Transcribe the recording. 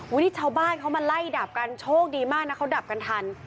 นี่ชาวบ้านเขามาไล่ดับกันโชคดีมากนะเขาดับกันทัน